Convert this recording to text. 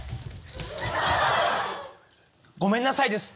「ごめんなさい」ですって。